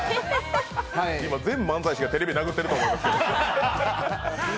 今、全漫才師がテレビ殴ってると思いますよ。